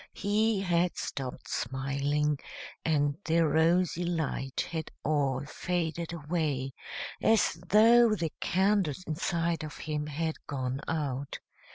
He had stopped smiling, and the rosy light had all faded away, as though the candles inside of him had gone out.